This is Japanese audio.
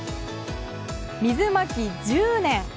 水まき、１０年。